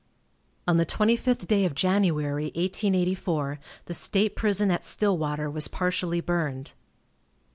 On the twenty fifth day of January, 1884, the state prison at Stillwater was partially burned.